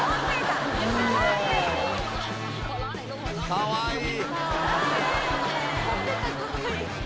かわいい！